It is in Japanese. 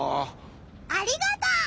ありがとう！